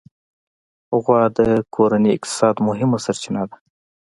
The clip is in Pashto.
غوا د کورني اقتصاد مهمه سرچینه ده.